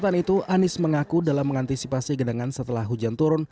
anies mengaku dalam mengantisipasi gedangan setelah hujan turun